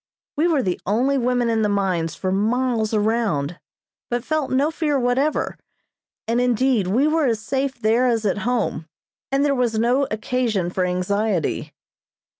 We were the only women in the mines for miles around, but felt no fear whatever, and indeed we were as safe there as at home, and there was no occasion for anxiety.